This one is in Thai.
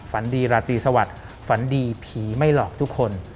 ฝันดีราตรีสวัสดิ์ฝันดีผีไม่หลอกทุกคน